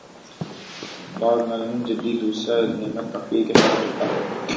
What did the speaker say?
بالعموم جبلّی دوسرا رد عمل تاخیر کے ساتھ ہوتا ہے۔